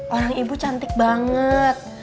orang ibu cantik banget